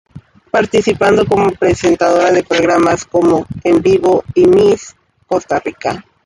Participando como presentadora de programas como "En Vivo" y Miss Costa Rica.